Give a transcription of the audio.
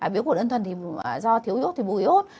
bíu cổ đơn thuần thì do thiếu yốt thì bụi yốt